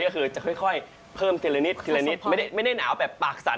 ก็คือจะค่อยเพิ่มเทลนิดไม่ได้หนาวแบบปากสั่น